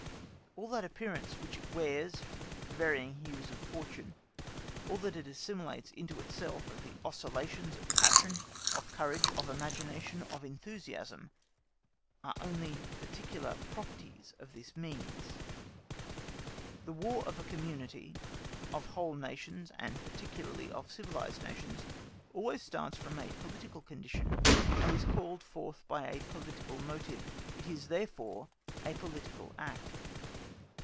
All that appearance which it wears from the varying hues of fortune, all that it assimilates into itself of the oscillations of passion, of courage, of imagination, of enthusiasm, are only particular properties of this means. The War of a community—of whole Nations, and particularly of civilised Nations—always starts from a political condition, and is called forth by a political motive. It is, therefore, a political act.